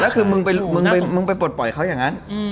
แล้วคือมึงไปปลดปล่อยเขาอย่างนั้น